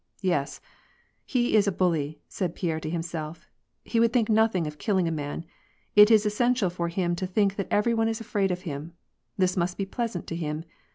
"Yes, he's a bully," said Pierre to himself, "he would think nothing of killing a man ; it is essential for him to think that every one is afraid of him ; this must be pleasant to him.